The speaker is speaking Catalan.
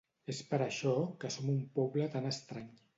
És per això que som un poble tan estrany.